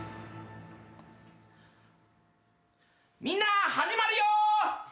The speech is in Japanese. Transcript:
みんな始まるよ！